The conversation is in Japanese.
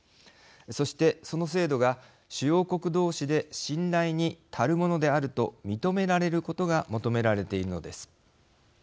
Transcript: そして、その制度が主要国同士で信頼に足るものであると認められることが求められているのです。